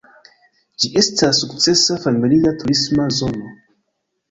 Ĝi estas sukcesa familia turisma zono.